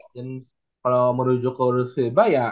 dan kalo merujuk ke rule fiba ya